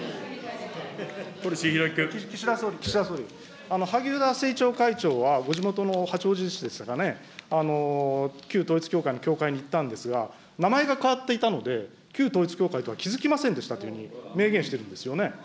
岸田総理、岸田総理、萩生田政調会長は、お地元の八王子市でしたかね、旧統一教会の教会に行ったんですが、名前が変わっていたので、旧統一教会とは気付きませんでしたというふうに明言してるんですよね。